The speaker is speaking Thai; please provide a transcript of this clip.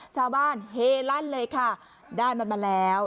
ชาวบ้านเฮลั่นเลยค่ะได้มันมาแล้ว